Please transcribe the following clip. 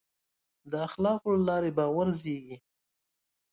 د اخلاقو له لارې باور زېږي.